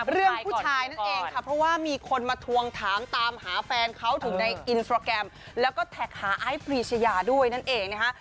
ผู้ชายนั่นเองค่ะเพราะว่ามีคนมาทวงถามตามหาแฟนเขาถึงในอินสตราแกรมแล้วก็แท็กหาไอซ์พรีชยาด้วยนั่นเองนะคะ